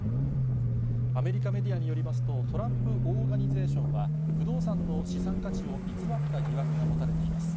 アメリカメディアによりますと、トランプ・オーガニゼーションは、不動産の資産価値を偽った疑惑が持たれています。